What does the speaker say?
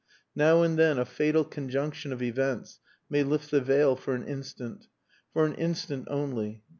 Now and then a fatal conjunction of events may lift the veil for an instant. For an instant only.